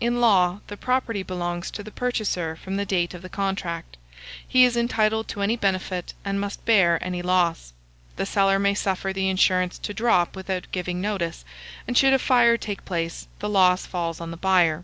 In law, the property belongs to the purchaser from the date of the contract; he is entitled to any benefit, and must bear any loss; the seller may suffer the insurance to drop without giving notice; and should a fire take place, the loss falls on the buyer.